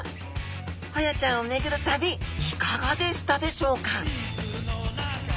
ホヤちゃんを巡る旅いかがでしたでしょうか？